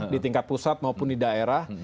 di tingkat pusat maupun di daerah